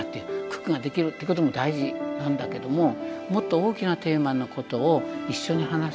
九九ができるってことも大事なんだけどももっと大きなテーマのことを一緒に話す。